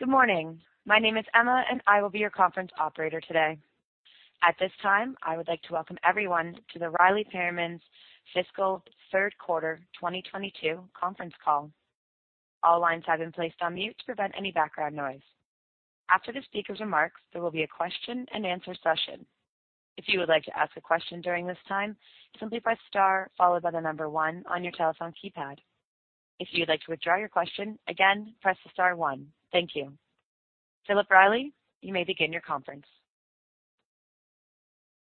Good morning. My name is Emma, and I will be your conference operator today. At this time, I would like to welcome everyone to the Riley Exploration Permian's fiscal third quarter 2022 conference call. All lines have been placed on mute to prevent any background noise. After the speaker's remarks, there will be a question-and-answer session. If you would like to ask a question during this time, simply press star followed by the number one on your telephone keypad. If you'd like to withdraw your question, again, press the star one. Thank you. Philip Riley, you may begin your conference.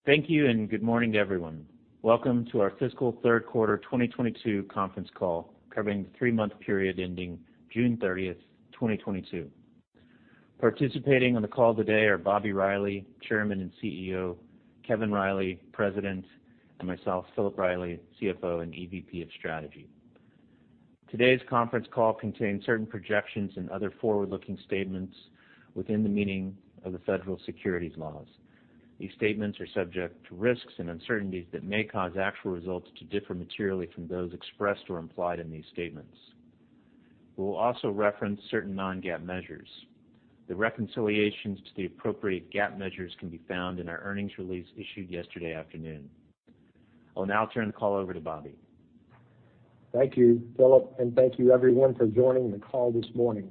Thank you, and good morning to everyone. Welcome to our fiscal third quarter 2022 conference call, covering the three-month period ending June 30, 2022. Participating on the call today are Bobby Riley, Chairman and CEO, Kevin Riley, President, and myself, Philip Riley, CFO and EVP of Strategy. Today's conference call contains certain projections and other forward-looking statements within the meaning of the federal securities laws. These statements are subject to risks and uncertainties that may cause actual results to differ materially from those expressed or implied in these statements. We'll also reference certain non-GAAP measures. The reconciliations to the appropriate GAAP measures can be found in our earnings release issued yesterday afternoon. I'll now turn the call over to Bobby. Thank you, Philip, and thank you everyone for joining the call this morning.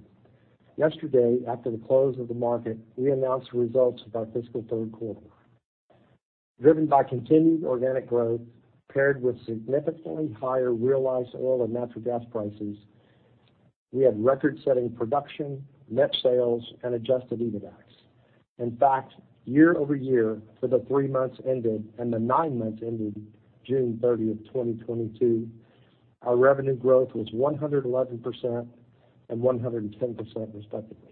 Yesterday, after the close of the market, we announced the results of our fiscal third quarter. Driven by continued organic growth paired with significantly higher realized oil and natural gas prices, we had record-setting production, net sales, and adjusted EBITDAX. In fact, year-over-year for the three months ended and the nine months ended June 30, 2022, our revenue growth was 111% and 110%, respectively.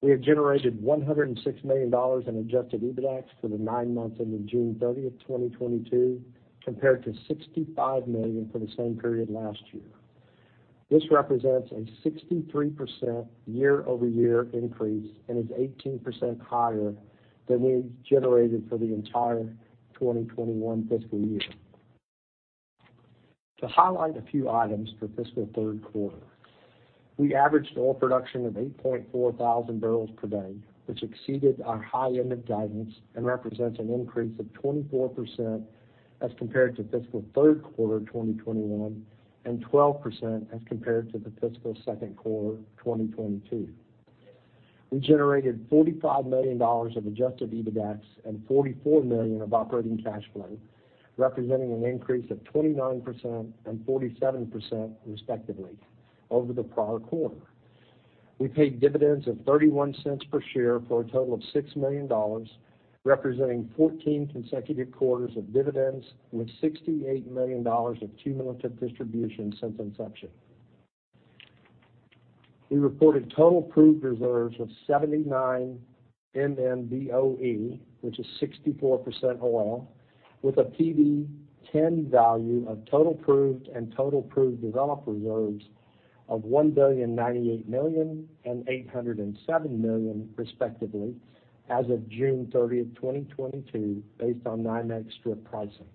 We have generated $106 million in adjusted EBITDAX for the nine months ended June 30, 2022, compared to $65 million for the same period last year. This represents a 63% year-over-year increase and is 18% higher than we generated for the entire 2021 fiscal year. To highlight a few items for fiscal third quarter. We averaged oil production of 8,400 bbl/d, which exceeded our high end of guidance and represents an increase of 24% as compared to fiscal third quarter 2021 and 12% as compared to the fiscal second quarter 2022. We generated $45 million of adjusted EBITDAX and $44 million of operating cash flow, representing an increase of 29% and 47%, respectively, over the prior quarter. We paid dividends of $0.31 per share for a total of $6 million, representing 14 consecutive quarters of dividends with $68 million of cumulative distribution since inception. We reported total proved reserves of 79 mmboe, which is 64% oil, with a PV-10 value of total proved and total proved developed reserves of $1.098 billion and $807 million, respectively, as of June 30th, 2022, based on NYMEX strip pricing.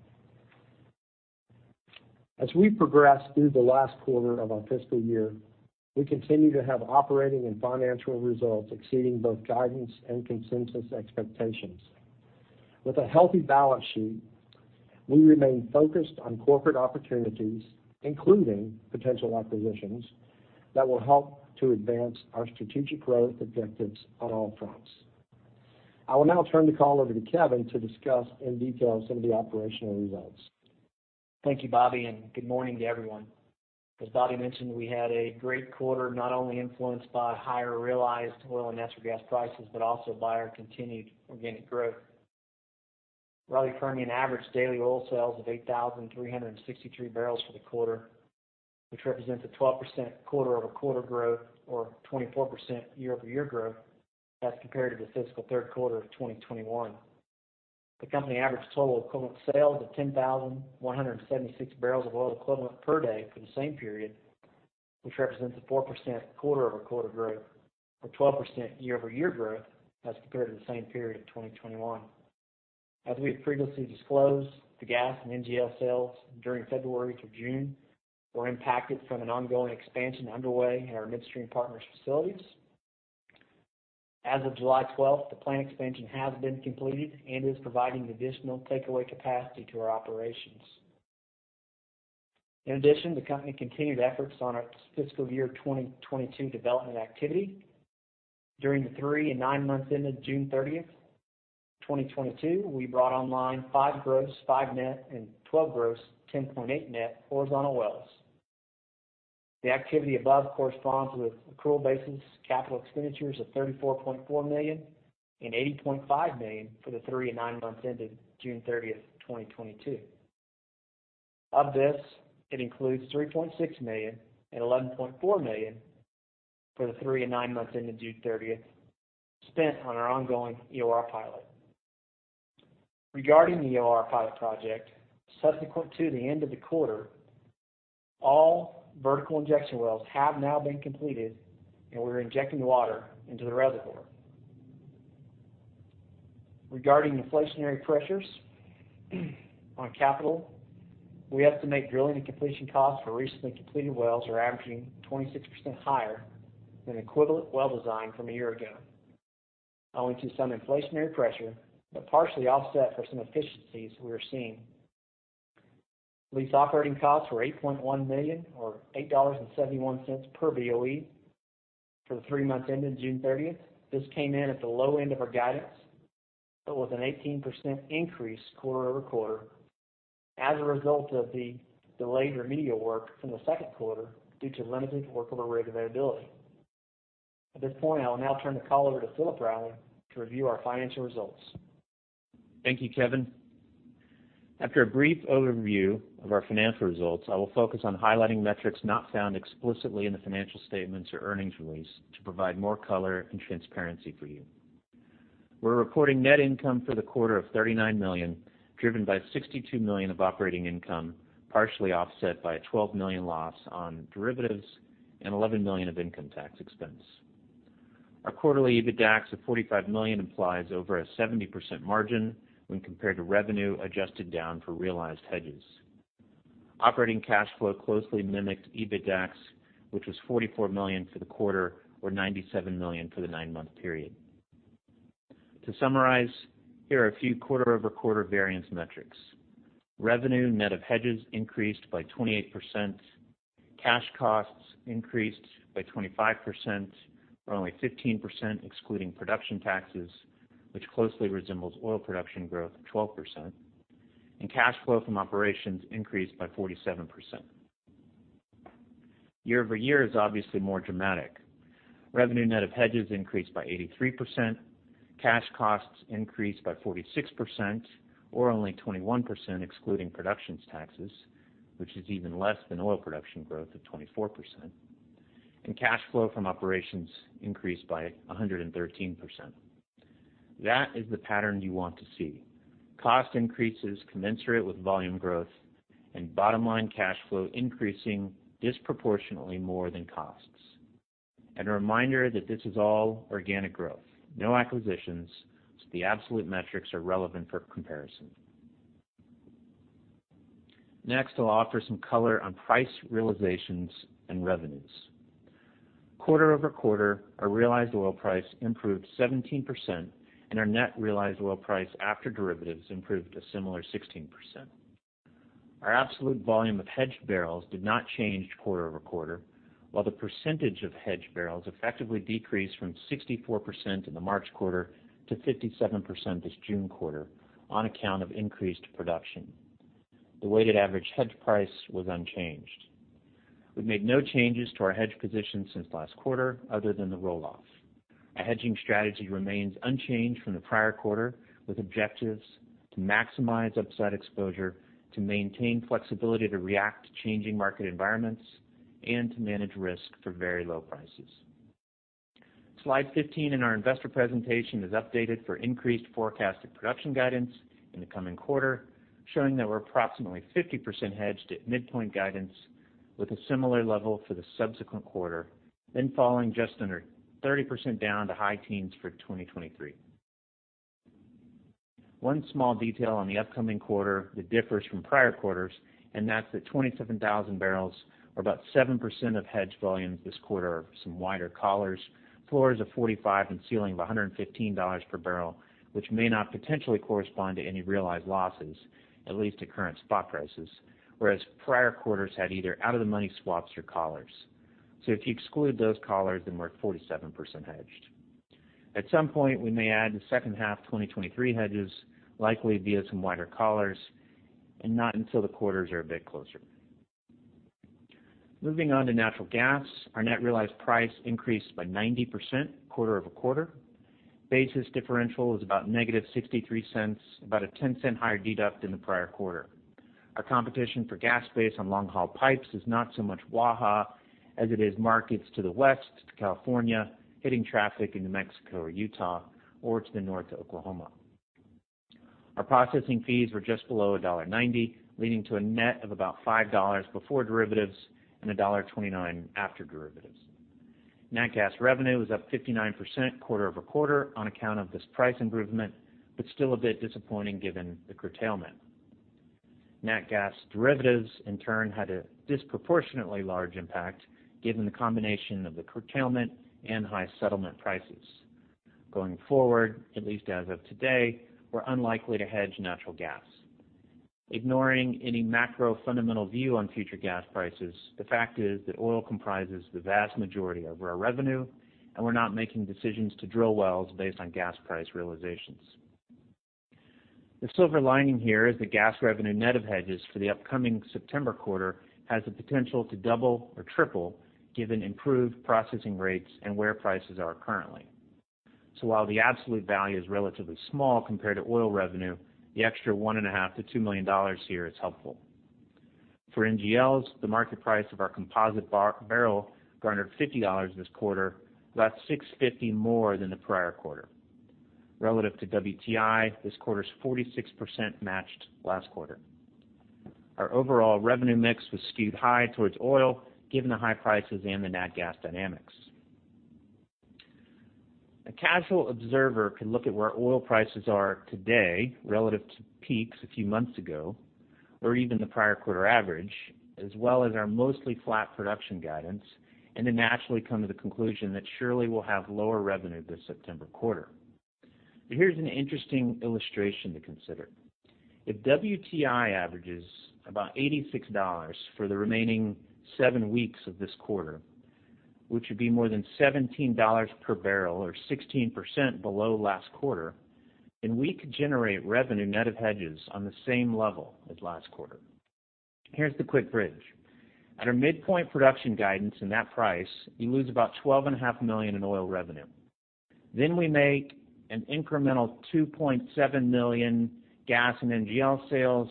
As we progress through the last quarter of our fiscal year, we continue to have operating and financial results exceeding both guidance and consensus expectations. With a healthy balance sheet, we remain focused on corporate opportunities, including potential acquisitions, that will help to advance our strategic growth objectives on all fronts. I will now turn the call over to Kevin to discuss in detail some of the operational results. Thank you, Bobby, and good morning to everyone. As Bobby mentioned, we had a great quarter, not only influenced by higher realized oil and natural gas prices, but also by our continued organic growth. Riley Permian averaged daily oil sales of 8,363 bbl for the quarter, which represents a 12% quarter-over-quarter growth or 24% year-over-year growth as compared to the fiscal third quarter of 2021. The company averaged total equivalent sales of 10,176 boe/d for the same period, which represents a 4% quarter-over-quarter growth or 12% year-over-year growth as compared to the same period in 2021. As we have previously disclosed, the gas and NGL sales during February through June were impacted from an ongoing expansion underway in our midstream partners facilities. As of July 12, the plant expansion has been completed and is providing additional takeaway capacity to our operations. In addition, the company continued efforts on its fiscal year 2022 development activity. During the three and nine months ended June 30, 2022, we brought online five gross, five net, and 12 gross, 10.8 net horizontal wells. The activity above corresponds with accrual basis capital expenditures of $34.4 million and $80.5 million for the three and nine months ended June 30, 2022. Of this, it includes $3.6 million and $11.4 million for the three and nine months ended June 30, spent on our ongoing EOR pilot. Regarding the EOR pilot project, subsequent to the end of the quarter, all vertical injection wells have now been completed, and we're injecting water into the reservoir. Regarding inflationary pressures on capital, we estimate drilling and completion costs for recently completed wells are averaging 26% higher than equivalent well design from a year ago, owing to some inflationary pressure, but partially offset for some efficiencies we are seeing. Lease operating costs were $8.1 million or $8.71 per BOE for the three months ending June 30. This came in at the low end of our guidance, but with an 18% increase quarter-over-quarter as a result of the delayed remedial work from the second quarter due to limited workable rig availability. At this point, I will now turn the call over to Philip Riley to review our financial results. Thank you, Kevin. After a brief overview of our financial results, I will focus on highlighting metrics not found explicitly in the financial statements or earnings release to provide more color and transparency for you. We're reporting net income for the quarter of $39 million, driven by $62 million of operating income, partially offset by a $12 million loss on derivatives and $11 million of income tax expense. Our quarterly EBITDAX of $45 million implies over a 70% margin when compared to revenue adjusted down for realized hedges. Operating cash flow closely mimics EBITDAX, which was $44 million for the quarter, or $97 million for the nine-month period. To summarize, here are a few quarter-over-quarter variance metrics. Revenue net of hedges increased by 28%, cash costs increased by 25%, or only 15% excluding production taxes, which closely resembles oil production growth of 12%, and cash flow from operations increased by 47%. Year-over-year is obviously more dramatic. Revenue net of hedges increased by 83%, cash costs increased by 46% or only 21% excluding production taxes, which is even less than oil production growth of 24%, and cash flow from operations increased by 113%. That is the pattern you want to see. Cost increases commensurate with volume growth and bottom line cash flow increasing disproportionately more than costs. A reminder that this is all organic growth, no acquisitions, so the absolute metrics are relevant for comparison. Next, I'll offer some color on price realizations and revenues. Quarter-over-quarter, our realized oil price improved 17% and our net realized oil price after derivatives improved a similar 16%. Our absolute volume of hedged bbl did not change quarter-over-quarter, while the percentage of hedged bbl effectively decreased from 64% in the March quarter to 57% this June quarter on account of increased production. The weighted average hedge price was unchanged. We've made no changes to our hedge position since last quarter other than the roll-off. Our hedging strategy remains unchanged from the prior quarter, with objectives to maximize upside exposure, to maintain flexibility to react to changing market environments, and to manage risk for very low prices. Slide 15 in our investor presentation is updated for increased forecasted production guidance in the coming quarter, showing that we're approximately 50% hedged at midpoint guidance with a similar level for the subsequent quarter, then falling just under 30% down to high teens for 2023. One small detail on the upcoming quarter that differs from prior quarters, and that's that 27,000 bbl or about 7% of hedged volumes this quarter are some wider collars, floors of $45 and ceiling of $115 per barrel, which may not potentially correspond to any realized losses, at least at current spot prices, whereas prior quarters had either out of the money swaps or collars. If you exclude those collars, then we're at 47% hedged. At some point, we may add the second half 2023 hedges, likely via some wider collars, and not until the quarters are a bit closer. Moving on to natural gas. Our net realized price increased by 90% quarter-over-quarter. Basis differential is about -$0.63, about a $0.10 higher deduction in the prior quarter. Our competition for gas based on long-haul pipes is not so much Waha as it is markets to the west, to California, hitting traffic in New Mexico or Utah, or to the north to Oklahoma. Our processing fees were just below $1.90, leading to a net of about $5 before derivatives and $1.29 after derivatives. Nat gas revenue was up 59% quarter-over-quarter on account of this price improvement, but still a bit disappointing given the curtailment. Nat gas derivatives in turn had a disproportionately large impact given the combination of the curtailment and high settlement prices. Going forward, at least as of today, we're unlikely to hedge natural gas. Ignoring any macro fundamental view on future gas prices, the fact is that oil comprises the vast majority of our revenue, and we're not making decisions to drill wells based on gas price realizations. The silver lining here is that gas revenue net of hedges for the upcoming September quarter has the potential to double or triple, given improved processing rates and where prices are currently. While the absolute value is relatively small compared to oil revenue, the extra $1.5 million-$2 million here is helpful. For NGLs, the market price of our composite barrel garnered $50 this quarter, about $6.50 more than the prior quarter. Relative to WTI, this quarter's 46% matched last quarter. Our overall revenue mix was skewed high towards oil, given the high prices and the nat gas dynamics. A casual observer can look at where oil prices are today relative to peaks a few months ago, or even the prior quarter average, as well as our mostly flat production guidance, and then naturally come to the conclusion that surely we'll have lower revenue this September quarter. Here's an interesting illustration to consider. If WTI averages about $86 for the remaining seven weeks of this quarter, which would be more than $17 per barrel or 16% below last quarter, then we could generate revenue net of hedges on the same level as last quarter. Here's the quick bridge. At our midpoint production guidance and that price, you lose about $12.5 million in oil revenue. We make an incremental $2.7 million gas and NGL sales,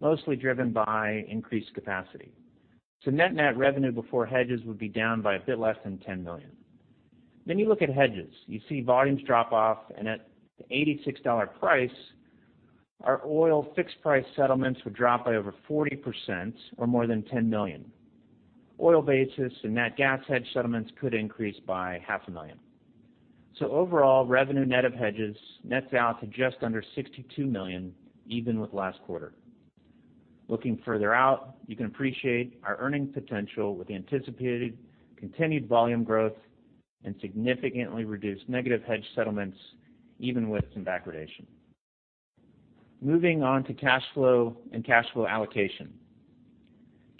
mostly driven by increased capacity. Net-net revenue before hedges would be down by a bit less than $10 million. You look at hedges. You see volumes drop off, and at the $86 price, our oil fixed-price settlements would drop by over 40% or more than $10 million. Oil basis and nat gas hedge settlements could increase by half a million. Overall, revenue net of hedges nets out to just under $62 million, even with last quarter. Looking further out, you can appreciate our earnings potential with anticipated continued volume growth and significantly reduced negative hedge settlements, even with some backwardation. Moving on to cash flow and cash flow allocation.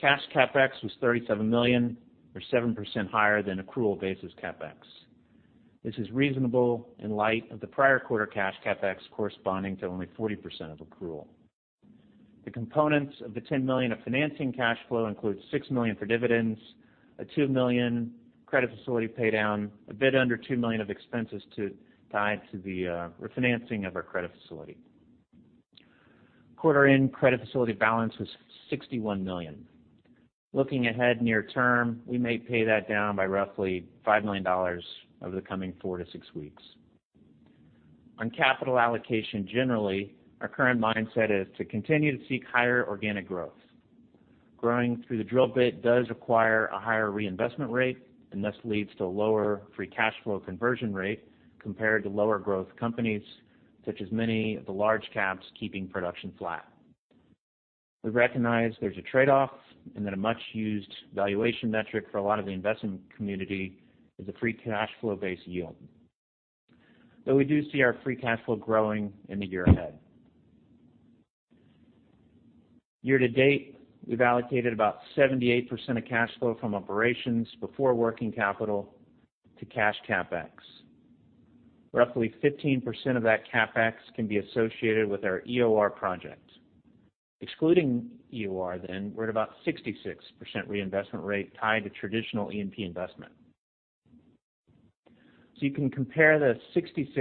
Cash CapEx was $37 million, or 7% higher than accrual basis CapEx. This is reasonable in light of the prior quarter cash CapEx corresponding to only 40% of accrual. The components of the $10 million of financing cash flow includes $6 million for dividends, a $2 million credit facility pay down, a bit under $2 million of expenses tied to the refinancing of our credit facility. Quarter-end credit facility balance was $61 million. Looking ahead near term, we may pay that down by roughly $5 million over the coming four to six weeks. On capital allocation, generally, our current mindset is to continue to seek higher organic growth. Growing through the drill bit does require a higher reinvestment rate, and thus leads to a lower free cash flow conversion rate compared to lower growth companies, such as many of the large caps keeping production flat. We recognize there's a trade-off, and that a much-used valuation metric for a lot of the investment community is a free cash flow-based yield. Though we do see our free cash flow growing in the year ahead. Year-to-date, we've allocated about 78% of cash flow from operations before working capital to cash CapEx. Roughly 15% of that CapEx can be associated with our EOR project. Excluding EOR then, we're at about 66% reinvestment rate tied to traditional E&P investment. You can compare the 66%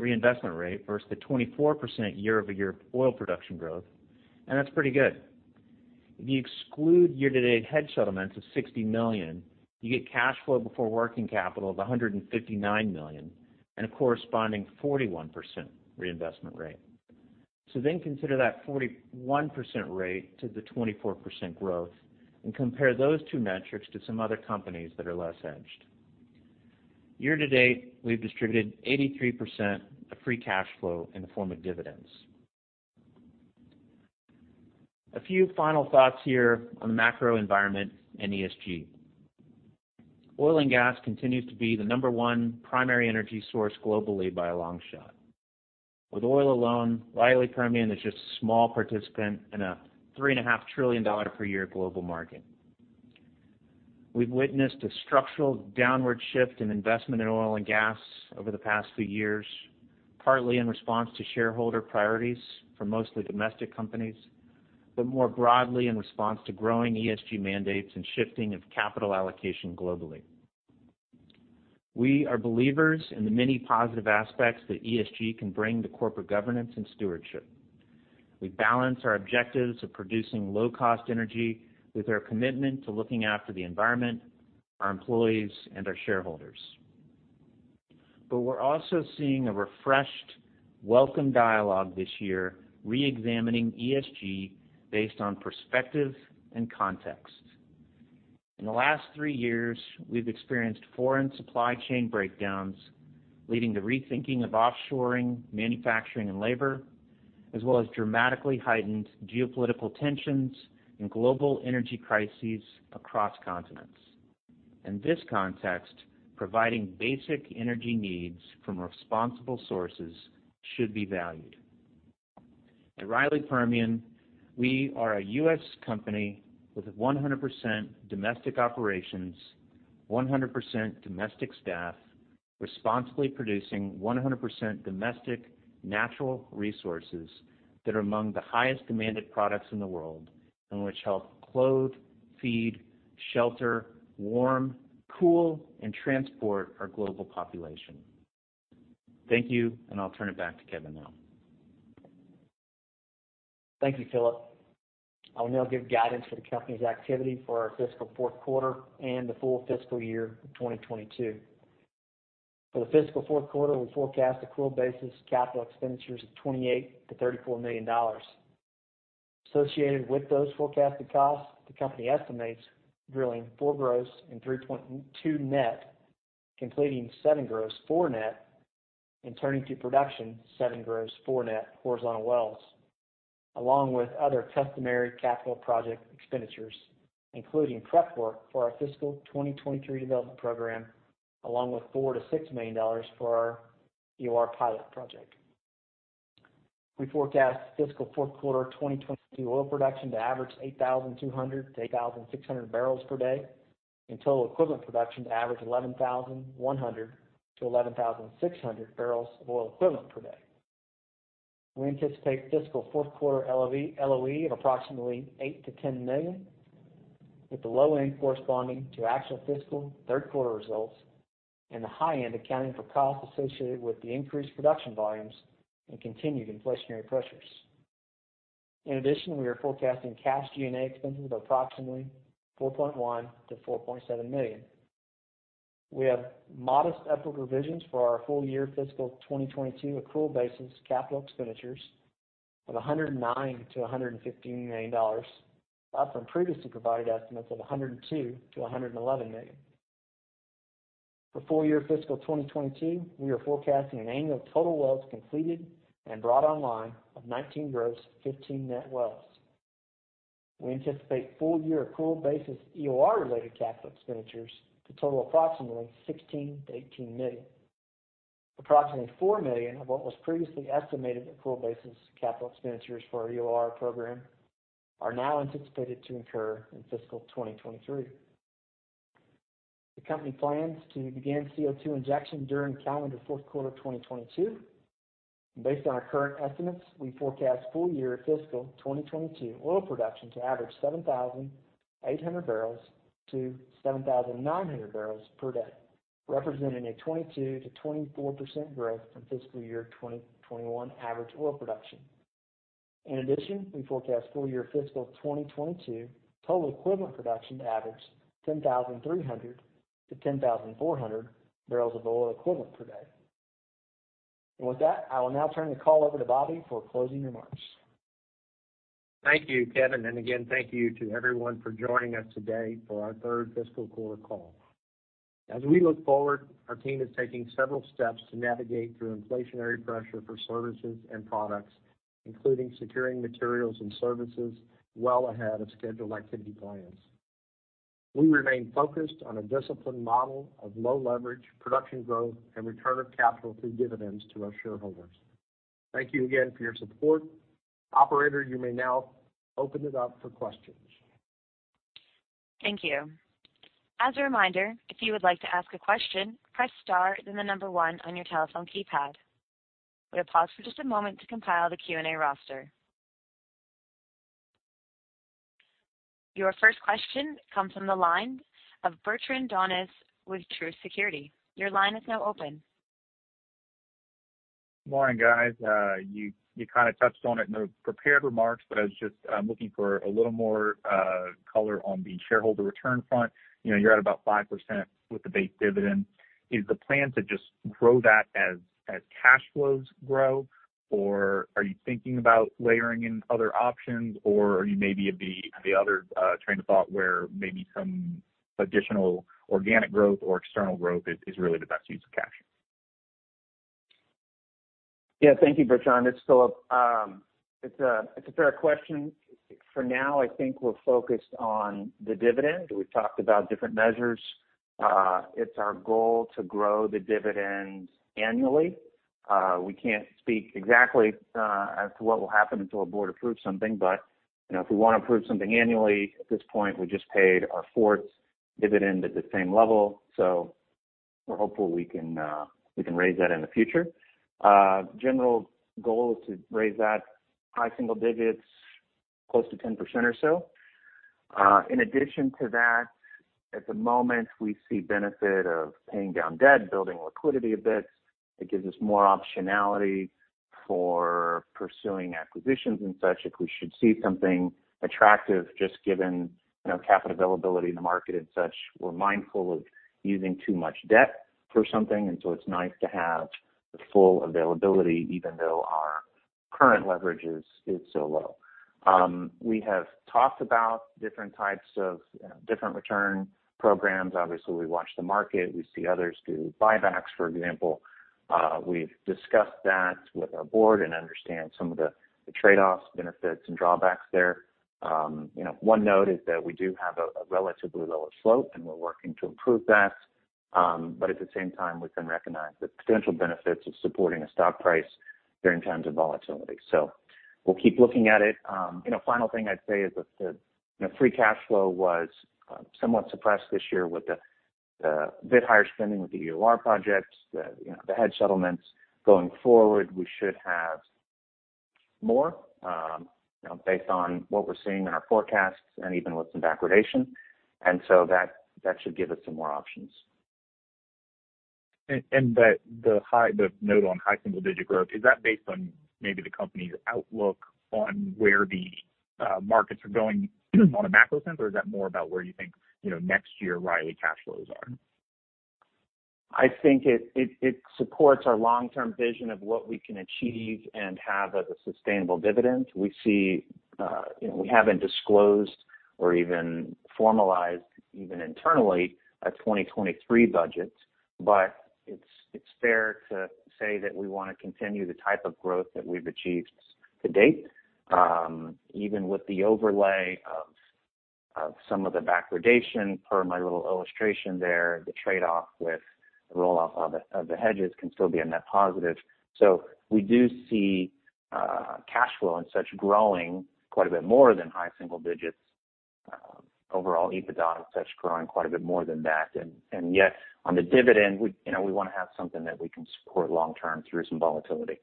reinvestment rate versus the 24% year-over-year oil production growth, and that's pretty good. If you exclude year-to-date hedge settlements of $60 million, you get cash flow before working capital of $159 million and a corresponding 41% reinvestment rate. Consider that 41% rate to the 24% growth and compare those two metrics to some other companies that are less hedged. Year-to-date, we've distributed 83% of free cash flow in the form of dividends. A few final thoughts here on the macro environment and ESG. Oil and gas continues to be the number one primary energy source globally by a long shot. With oil alone, Riley Permian is just a small participant in a $3.5 trillion per year global market. We've witnessed a structural downward shift in investment in oil and gas over the past few years, partly in response to shareholder priorities for mostly domestic companies, but more broadly in response to growing ESG mandates and shifting of capital allocation globally. We are believers in the many positive aspects that ESG can bring to corporate governance and stewardship. We balance our objectives of producing low-cost energy with our commitment to looking after the environment, our employees, and our shareholders. We're also seeing a refreshed welcome dialogue this year reexamining ESG based on perspective and context. In the last three years, we've experienced foreign supply chain breakdowns, leading to rethinking of offshoring, manufacturing, and labor, as well as dramatically heightened geopolitical tensions and global energy crises across continents. In this context, providing basic energy needs from responsible sources should be valued. At Riley Permian, we are a U.S. company with 100% domestic operations, 100% domestic staff, responsibly producing 100% domestic natural resources that are among the highest demanded products in the world, and which help clothe, feed, shelter, warm, cool, and transport our global population. Thank you, and I'll turn it back to Kevin now. Thank you, Philip. I will now give guidance for the company's activity for our fiscal fourth quarter and the full fiscal year of 2022. For the fiscal fourth quarter, we forecast accrued basis capital expenditures of $28 million-$34 million. Associated with those forecasted costs, the company estimates drilling four gross and 3.2 net, completing seven gross, four net, and turning to production seven gross, four net horizontal wells, along with other customary capital project expenditures, including prep work for our fiscal year 2023 development program, along with $4 million-$6 million for our EOR pilot project. We forecast fiscal fourth quarter 2022 oil production to average 8,200-8,600 bbl/d, and total equivalent production to average 11,100-11,600 boe/d. We anticipate fiscal fourth quarter LOE of approximately $8 million-$10 million, with the low end corresponding to actual fiscal third quarter results and the high end accounting for costs associated with the increased production volumes and continued inflationary pressures. In addition, we are forecasting cash G&A expenses of approximately $4.1 million-$4.7 million. We have modest upward revisions for our full-year fiscal year 2022 accrued basis capital expenditures of $109 million-$115 million, up from previously provided estimates of $102 million-$111 million. For full-year fiscal year 2022, we are forecasting an annual total wells completed and brought online of 19 gross, 15 net wells. We anticipate full-year accrued basis EOR-related capital expenditures to total approximately $16 million-$18 million. Approximately $4 million of what was previously estimated accrued basis capital expenditures for our EOR program are now anticipated to incur in fiscal year 2023. The company plans to begin CO2 injection during calendar fourth quarter 2022. Based on our current estimates, we forecast full-year fiscal year 2022 oil production to average 7,800-7,900 bbl/d, representing 22%-24% growth from fiscal year 2021 average oil production. In addition, we forecast full-year fiscal year 2022 total equivalent production to average 10,300-10,400 boe/d. With that, I will now turn the call over to Bobby for closing remarks. Thank you, Kevin. Again, thank you to everyone for joining us today for our third fiscal quarter call. As we look forward, our team is taking several steps to navigate through inflationary pressure for services and products, including securing materials and services well ahead of scheduled activity plans. We remain focused on a disciplined model of low leverage, production growth, and return of capital through dividends to our shareholders. Thank you again for your support. Operator, you may now open it up for questions. Thank you. As a reminder, if you would like to ask a question, press star then the number one on your telephone keypad. We'll pause for just a moment to compile the Q&A roster. Your first question comes from the line of Bertrand Donnes with Truist Securities. Your line is now open. Morning, guys. You kind of touched on it in the prepared remarks, but I was just looking for a little more color on the shareholder return front. You know, you're at about 5% with the base dividend. Is the plan to just grow that as cash flows grow, or are you thinking about layering in other options? Or are you maybe at the other train of thought, where maybe some additional organic growth or external growth is really the best use of cash? Yeah. Thank you, Bertrand. It's Philip. It's a fair question. For now, I think we're focused on the dividend. We've talked about different measures. It's our goal to grow the dividend annually. We can't speak exactly as to what will happen until our board approves something. You know, if we want to approve something annually, at this point, we just paid our fourth dividend at the same level. We're hopeful we can raise that in the future. General goal is to raise that high single digits, close to 10% or so. In addition to that, at the moment, we see benefit of paying down debt, building liquidity a bit. It gives us more optionality for pursuing acquisitions and such if we should see something attractive, just given, you know, capital availability in the market and such. We're mindful of using too much debt for something, and so it's nice to have the full availability, even though our current leverage is so low. We have talked about different types of different return programs. Obviously, we watch the market. We see others do buybacks, for example. We've discussed that with our board and understand some of the trade-offs, benefits, and drawbacks there. You know, one note is that we do have a relatively lower slope, and we're working to improve that. At the same time, we can recognize the potential benefits of supporting a stock price during times of volatility. We'll keep looking at it. You know, final thing I'd say is that the, you know, free cash flow was somewhat suppressed this year with a bit higher spending with the EOR projects, the, you know, the hedge settlements. Going forward, we should have more, you know, based on what we're seeing in our forecasts and even with some degradation. That should give us some more options. That the note on high single digit growth, is that based on maybe the company's outlook on where the markets are going on a macro sense, or is that more about where you think, you know, next year Riley cash flows are? I think it supports our long-term vision of what we can achieve and have as a sustainable dividend. We see, you know, we haven't disclosed or even formalized even internally a 2023 budget, but it's fair to say that we wanna continue the type of growth that we've achieved to date. Even with the overlay of some of the backwardation per my little illustration there, the trade-off with the roll-off of the hedges can still be a net positive. We do see cash flow and such growing quite a bit more than high single digits, overall EBITDA and such growing quite a bit more than that. Yet on the dividend, we, you know, we wanna have something that we can support long term through some volatility.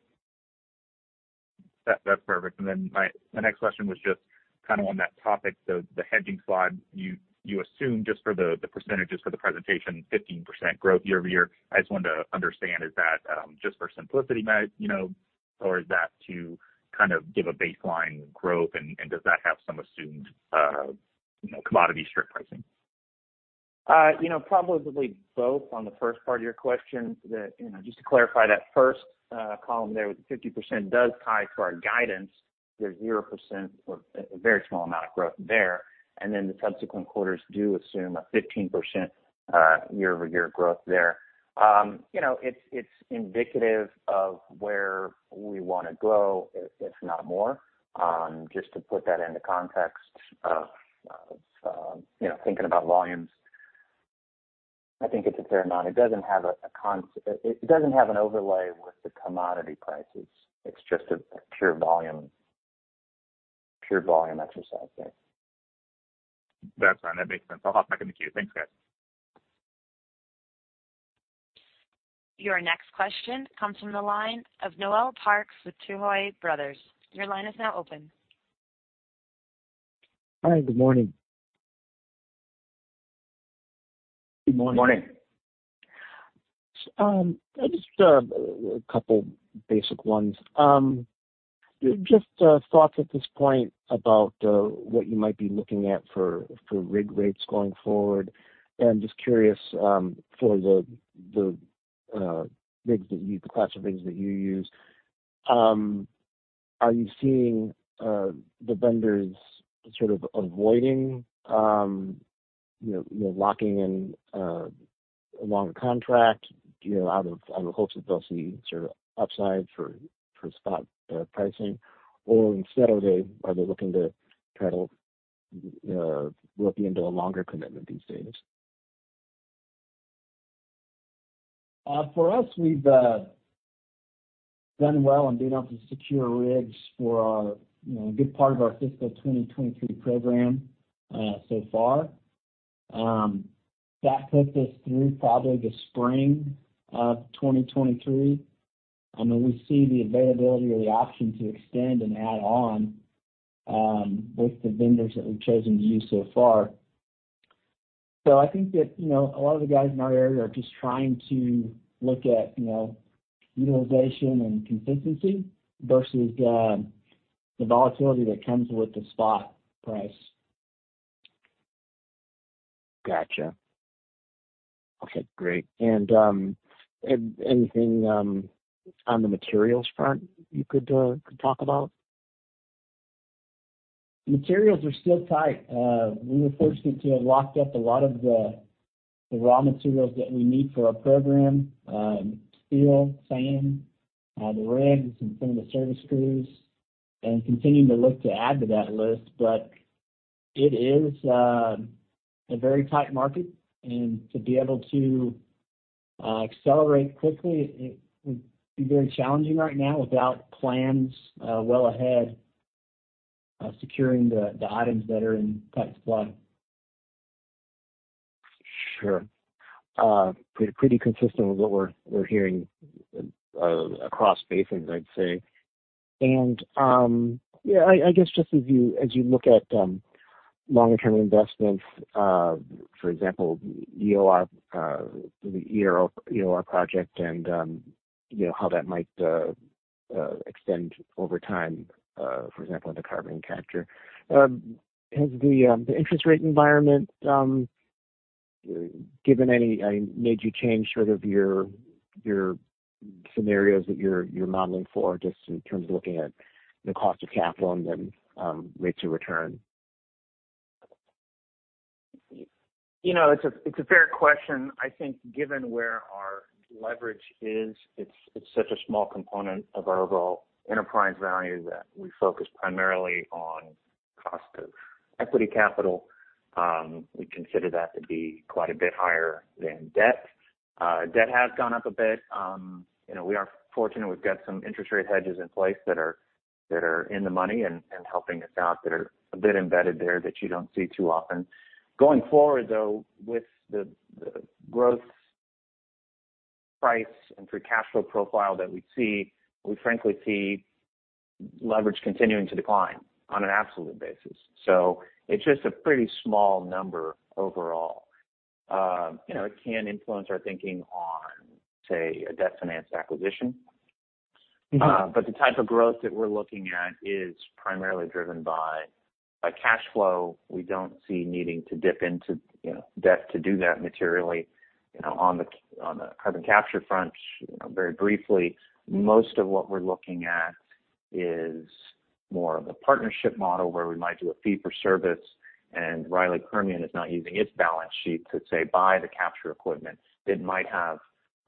That's perfect. My next question was just kind of on that topic. The hedging slide you assume just for the percentages for the presentation, 15% growth year-over-year. I just wanted to understand, is that just for simplicity you know, or is that to kind of give a baseline growth and does that have some assumed commodity strip pricing? You know, probably both on the first part of your question. You know, just to clarify that first column there with the 50% does tie to our guidance. There's 0% or a very small amount of growth there, and then the subsequent quarters do assume a 15%, year-over-year growth there. You know, it's indicative of where we wanna go, if not more. Just to put that into context of, you know, thinking about volumes, I think it's a fair amount. It doesn't have an overlay with the commodity prices. It's just a pure volume exercise there. That's fine. That makes sense. I'll hop back in the queue. Thanks, guys. Your next question comes from the line of Noel Parks with Tuohy Brothers. Your line is now open. Hi, good morning. Good morning. Morning. I just have a couple basic ones. Just thoughts at this point about what you might be looking at for rig rates going forward. Just curious for the class of rigs that you use, are you seeing the vendors sort of avoiding, you know, you locking in a longer contract, you know, out of hopes that they'll see sort of upside for spot pricing? Or instead are they looking to kinda look into a longer commitment these days? For us, we've done well in being able to secure rigs for, you know, a good part of our fiscal year 2023 program, so far. That puts us through probably the spring of 2023. Then we see the availability or the option to extend and add on, with the vendors that we've chosen to use so far. I think that, you know, a lot of the guys in our area are just trying to look at, you know, utilization and consistency versus, the volatility that comes with the spot price. Gotcha. Okay, great. Anything on the materials front you could talk about? Materials are still tight. We were fortunate to have locked up a lot of the raw materials that we need for our program, steel, sand, the rigs and some of the service crews, and continuing to look to add to that list. It is a very tight market and to be able to accelerate quickly, it would be very challenging right now without plans well ahead, securing the items that are in tight supply. Sure. Pretty consistent with what we're hearing across basins, I'd say. I guess just as you look at longer term investments, for example, EOR, the EOR project and you know, how that might extend over time, for example, into carbon capture. Has the interest rate environment made you change sort of your scenarios that you're modeling for, just in terms of looking at the cost of capital and then rates of return? You know, it's a fair question. I think given where our leverage is, it's such a small component of our overall enterprise value that we focus primarily on cost of equity capital. We consider that to be quite a bit higher than debt. Debt has gone up a bit. You know, we are fortunate we've got some interest rate hedges in place that are in the money and helping us out, that are a bit embedded there that you don't see too often. Going forward, though, with the growth price and free cash flow profile that we see, we frankly see leverage continuing to decline on an absolute basis. It's just a pretty small number overall. You know, it can influence our thinking on, say, a debt-financed acquisition. The type of growth that we're looking at is primarily driven by a cash flow. We don't see needing to dip into, you know, debt to do that materially. You know, on the carbon capture front, you know, very briefly, most of what we're looking at is more of a partnership model where we might do a fee for service, and Riley Permian is not using its balance sheet to, say, buy the capture equipment. It might have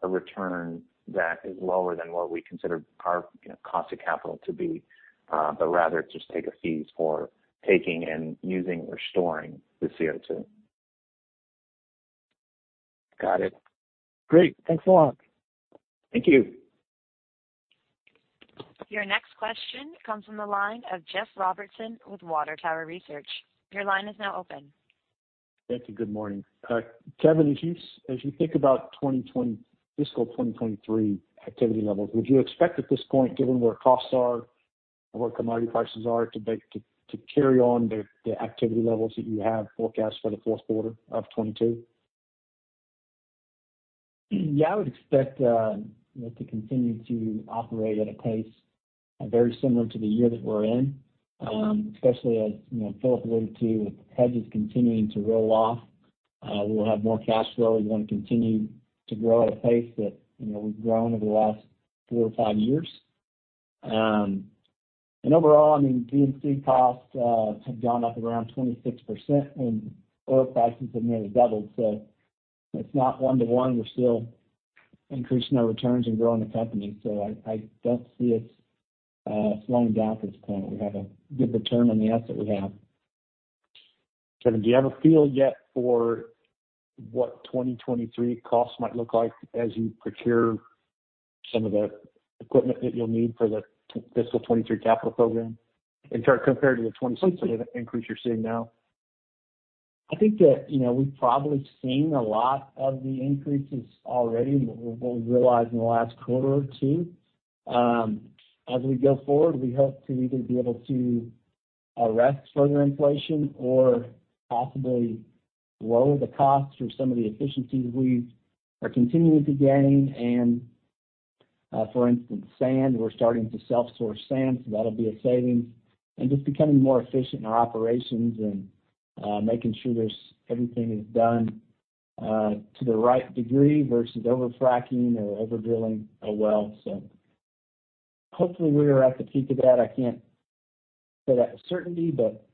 a return that is lower than what we consider our, you know, cost of capital to be, but rather just take fees for taking and using or storing the CO2. Got it. Great. Thanks a lot. Thank you. Your next question comes from the line of Jeff Robertson with Water Tower Research. Your line is now open. Thank you. Good morning. Kevin, as you think about fiscal year 2023 activity levels, would you expect at this point, given where costs are and where commodity prices are, to carry on the activity levels that you have forecast for the fourth quarter of 2022? Yeah, I would expect, you know, to continue to operate at a pace very similar to the year that we're in, especially as, you know, Philip alluded to, with hedges continuing to roll off, we'll have more cash flow. We wanna continue to grow at a pace that, you know, we've grown over the last four or five years. Overall, I mean, D&C costs have gone up around 26% and oil prices have nearly doubled. It's not 1:1. We're still increasing our returns and growing the company. I don't see us slowing down at this point. We have a good return on the asset we have. Kevin, do you have a feel yet for what 2023 costs might look like as you procure some of the equipment that you'll need for the fiscal year 2023 capital program compared to the 2022 increase you're seeing now? I think that, you know, we've probably seen a lot of the increases already, what we realized in the last quarter or two. As we go forward, we hope to either be able to arrest further inflation or possibly lower the costs through some of the efficiencies we are continuing to gain. For instance, sand, we're starting to self-source sand, so that'll be a saving. Just becoming more efficient in our operations and making sure everything is done to the right degree versus over-fracking or over-drilling a well. Hopefully we are at the peak of that. I can't say that with certainty, but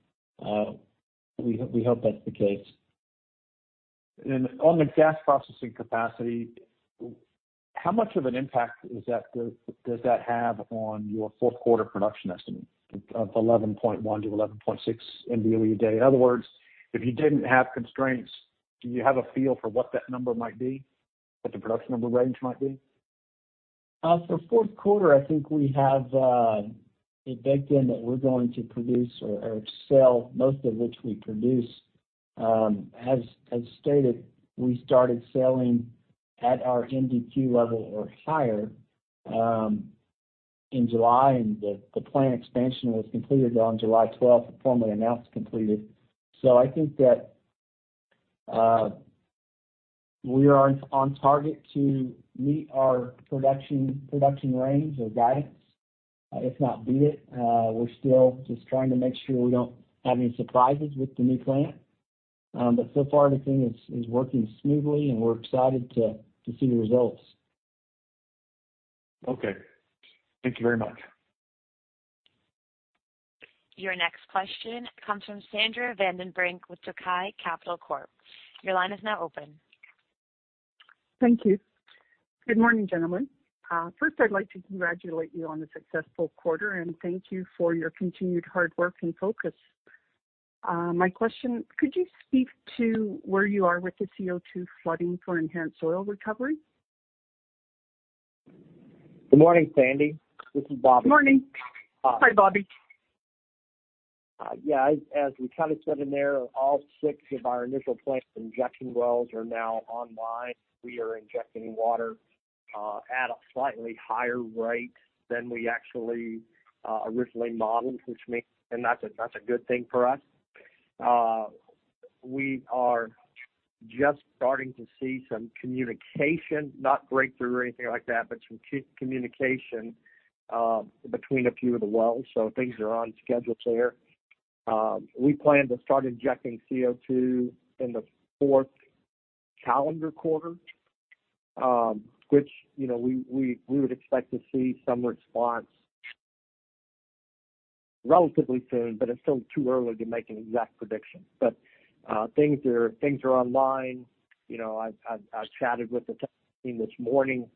we hope that's the case. On the gas processing capacity, how much of an impact does that have on your fourth quarter production estimate of 11.1-11.6 mboe/d? In other words, if you didn't have constraints, do you have a feel for what that number might be, what the production number range might be? For fourth quarter, I think we have it baked in that we're going to produce or sell most of which we produce. As stated, we started selling at our MDQ level or higher in July, and the plant expansion was completed on July 12th, formally announced completed. I think that we are on target to meet our production range or guidance. If not, beat it, we're still just trying to make sure we don't have any surprises with the new plant. So far everything is working smoothly, and we're excited to see the results. Okay. Thank you very much. Your next question comes from Sandra Vandenbrink with Tokai Capital Corp. Your line is now open. Thank you. Good morning, gentlemen. First, I'd like to congratulate you on the successful quarter, and thank you for your continued hard work and focus. My question: Could you speak to where you are with the CO2 flooding for enhanced oil recovery? Good morning, Sandra. This is Bobby. Morning. Hi, Bobby. Yeah, as we kind of said in there, all six of our initial plant injection wells are now online. We are injecting water at a slightly higher rate than we actually originally modeled, which means, and that's a good thing for us. We are just starting to see some communication, not breakthrough or anything like that, but some communication between a few of the wells, so things are on schedule there. We plan to start injecting CO2 in the fourth calendar quarter, which, you know, we would expect to see some response relatively soon, but it's still too early to make an exact prediction. Things are online. You know, I've chatted with the team this morning,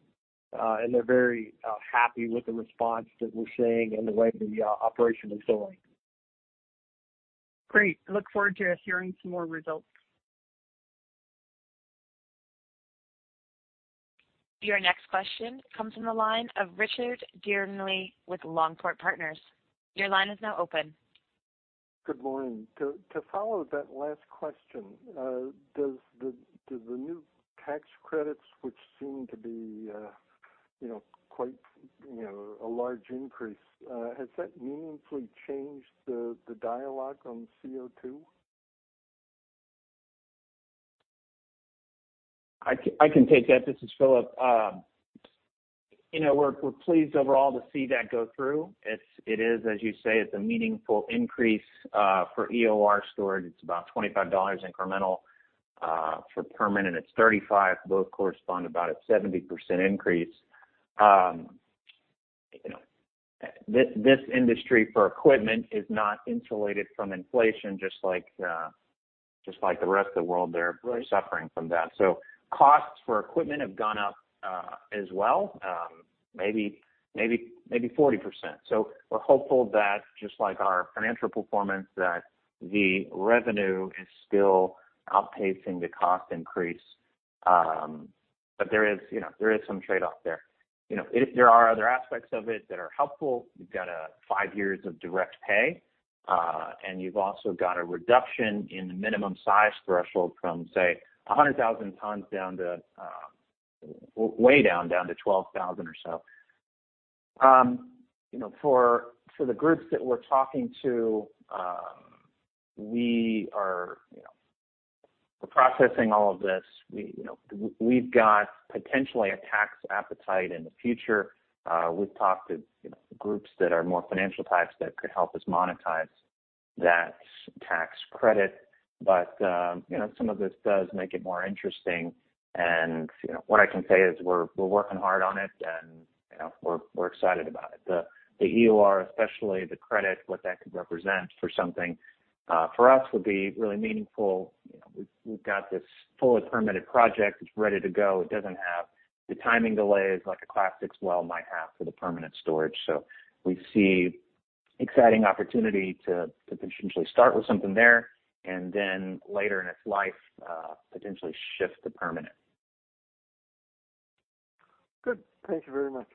and they're very happy with the response that we're seeing and the way the operation is going. Great. Look forward to hearing some more results. Your next question comes from the line of Richard Dearnley with Longport Partners. Your line is now open. Good morning. To follow that last question, does the new tax credits, which seem to be, you know, quite, you know, a large increase, has that meaningfully changed the dialogue on CO2? I can take that. This is Philip. You know, we're pleased overall to see that go through. It is, as you say, it's a meaningful increase for EOR storage. It's about $25 incremental. For permanent it's $35. Both correspond about a 70% increase. You know, this industry for equipment is not insulated from inflation, just like the rest of the world, they're suffering from that. Costs for equipment have gone up, as well, maybe 40%. We're hopeful that just like our financial performance, that the revenue is still outpacing the cost increase. There is, you know, there is some trade-off there. You know, there are other aspects of it that are helpful. You've got five years of direct pay, and you've also got a reduction in the minimum size threshold from, say, 100,000 tons down to way down to 12,000 or so. You know, for the groups that we're talking to, we are, you know, we're processing all of this. We've got potentially a tax appetite in the future. We've talked to, you know, groups that are more financial types that could help us monetize that tax credit. Some of this does make it more interesting. You know, what I can say is we're working hard on it, and you know, we're excited about it. The EOR, especially the credit, what that could represent for something for us would be really meaningful. You know, we've got this fully permitted project. It's ready to go. It doesn't have the timing delays like a Class VI well might have for the permanent storage. We see exciting opportunity to potentially start with something there and then later in its life, potentially shift to permanent. Good. Thank you very much.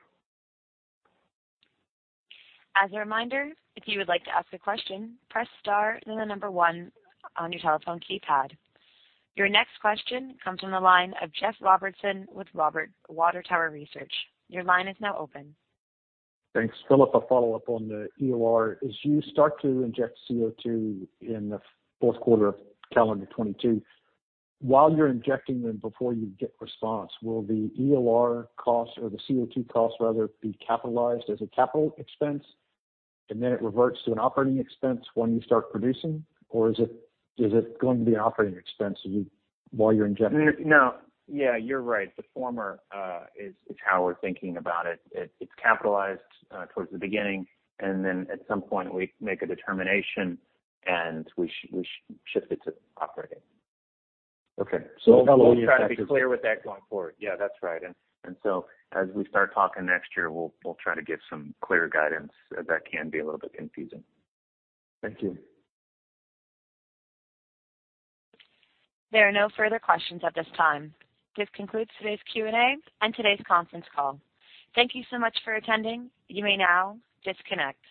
As a reminder, if you would like to ask a question, press star, then the number one on your telephone keypad. Your next question comes from the line of Jeff Robertson with Water Tower Research. Your line is now open. Thanks. Philip, a follow-up on the EOR. As you start to inject CO2 in the fourth quarter of calendar 2022, while you're injecting them before you get response, will the EOR cost or the CO2 cost rather be capitalized as a capital expense, and then it reverts to an operating expense when you start producing? Or is it, is it going to be an operating expense while you're injecting? No. Yeah, you're right. The former is how we're thinking about it. It's capitalized towards the beginning, and then at some point we make a determination, and we shift it to operating. Okay. We'll try to be clear with that going forward. Yeah, that's right. As we start talking next year, we'll try to give some clear guidance as that can be a little bit confusing. Thank you. There are no further questions at this time. This concludes today's Q&A and today's conference call. Thank you so much for attending. You may now disconnect.